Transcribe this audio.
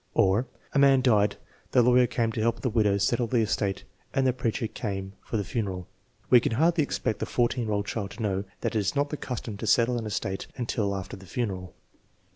Or, "A man died, the lawyer came to help the widow settle the estate and the preacher came for the funeral." We can hardly expect the 14 year old child to know that it is not the custom to settle an estate until after the funeral.